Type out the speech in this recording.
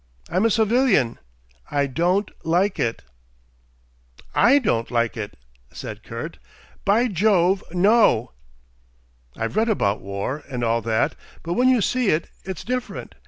I'm a civilian. I don't like it." "I don't like it," said Kurt. "By Jove, no!" "I've read about war, and all that, but when you see it it's different.